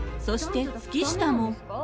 そして月下も。